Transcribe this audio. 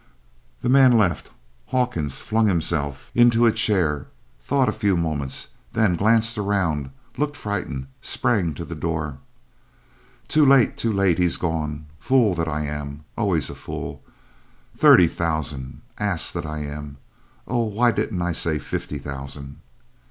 The man left; Hawkins flung himself into a chair; thought a few moments, then glanced around, looked frightened, sprang to the door "Too late too late! He's gone! Fool that I am! always a fool! Thirty thousand ass that I am! Oh, why didn't I say fifty thousand!"